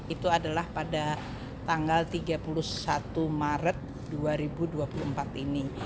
itu adalah pada tanggal tiga puluh satu maret dua ribu dua puluh empat ini